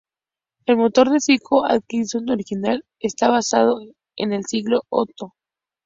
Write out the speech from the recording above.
El motor de ciclo Atkinson original, está basado en el de ciclo Otto.